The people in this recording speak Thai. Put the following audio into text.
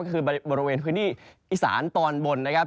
ก็คือบริเวณพื้นที่อีสานตอนบนนะครับ